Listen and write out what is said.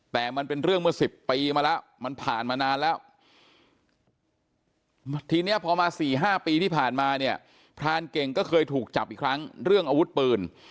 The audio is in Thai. แต่มันเป็นเรื่องเมื่อ๑๐ปีมาแล้วมันผ่านมานานแล้วทีนี้พอมา๔๕ปีที่ผ่านมาเนี่ยพรานเก่งก็เคยถูกจับอีกครั้งเรื่องอาวุธปืน